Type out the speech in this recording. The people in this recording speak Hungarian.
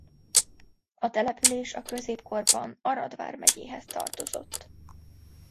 A település a középkorban Arad vármegyéhez tartozott.